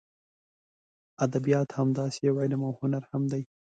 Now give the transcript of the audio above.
ادبیات همداسې یو علم او هنر هم دی.